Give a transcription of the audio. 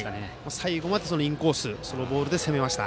最後までインコースのボールで攻めました。